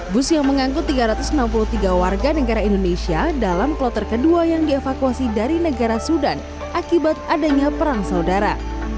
bus yang mengangkut tiga ratus enam puluh tiga warga negara indonesia dalam kloter kedua yang dievakuasi dari negara sudan akibat adanya perang saudara